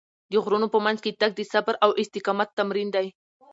د غرونو په منځ کې تګ د صبر او استقامت تمرین دی.